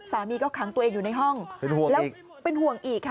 สามีก็ขังตัวเองอยู่ในห้องเป็นห่วงอีกแล้วเป็นห่วงอีกค่ะ